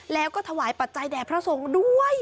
แล้วก็ถวายปัจจัยแด่พระสงฆ์ด้วย